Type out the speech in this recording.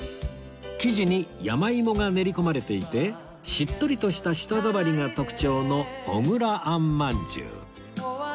生地に山芋が練り込まれていてしっとりとした舌触りが特徴の小倉餡饅頭